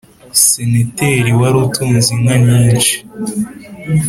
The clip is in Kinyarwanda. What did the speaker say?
senteteri wari utunze inka nyinshi